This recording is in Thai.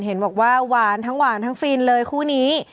เห็นบอกว่าหวานทั้งหวานทั้งฟินเลยคู่นี้